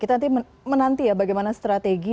kita nanti menanti ya bagaimana strategi